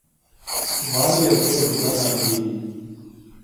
والګی او تبه جدا ناروغي دي